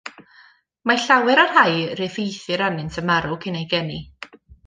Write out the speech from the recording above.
Mae llawer o'r rhai yr effeithir arnynt yn marw cyn eu geni.